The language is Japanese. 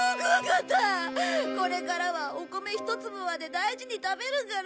これからはお米一粒まで大事に食べるから！